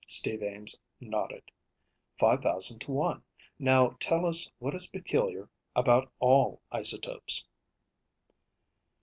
Steve Ames nodded. "Five thousand to one. Now tell us what is peculiar about all isotopes?"